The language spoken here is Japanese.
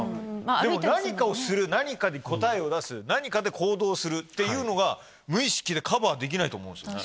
でも何かをする何かに答えを出す何かで行動するっていうのが無意識でカバーできないと思うんですよね。